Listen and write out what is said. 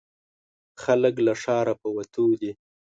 خلک له ښاره په وتو دي.